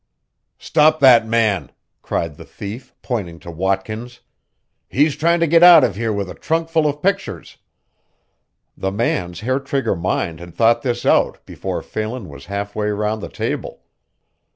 "Stop that man," cried the thief, pointing to Watkins, "he's trying to get out of here with a trunkful of pictures." The man's hair trigger mind had thought this out before Phelan was half way round the table.